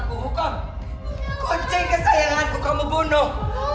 aku hukum kunci kesayanganku kamu bunuh